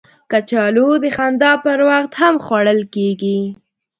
کچالو د خندا پر وخت هم خوړل کېږي